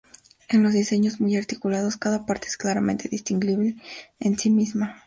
En los diseños muy articulados, cada parte es claramente distinguible en sí misma.